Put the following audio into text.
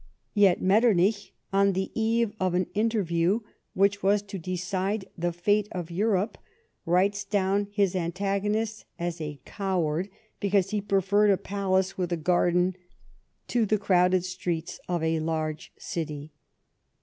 Yet Metternich, on the eve of an interview which was to decide the fate of Europe, writes down his antagonist as a coward because he preferred a palace with a garden to the crowded streets of a large city.